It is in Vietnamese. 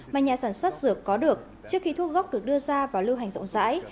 mà nhà sản xuất dược có được trước khi thuốc gốc được đưa ra và lưu hành rộng rãi